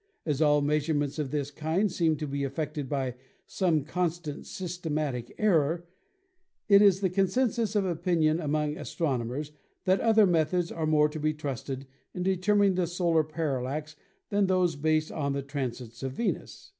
As all measures of this kind seem to be affected by some constant systematic error, it is the concensus of opinion among astronomers that other methods are more to be trusted in determining the solar parallax than those based on the transits of Venus.